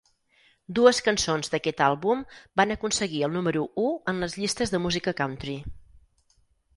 Dues cançons d’aquest àlbum van aconseguir el número u en les llistes de música country.